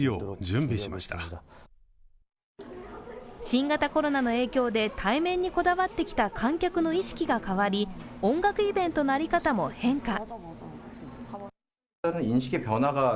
新型コロナの影響で対面にこだわってきた観客の意識が変わり、音楽イベントの在り方も変化。